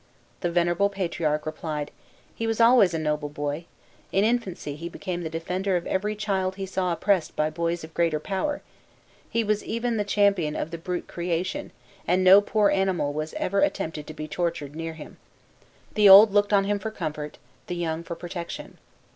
The venerable patriarch replied, "He was always a noble boy. In infancy, he became the defender of every child he saw oppressed by boys of greater power; he was even the champion of the brute creation, and no poor animal was ever attempted to be tortured near him. The old looked on him for comfort, the young for protection.